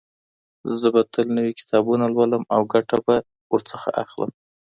زه به تل نوي کتابونه لولم او ګټه به ترې اخلم.